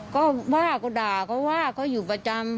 ก็ว่าก็ด่าเขาว่าเขาอยู่ประจำ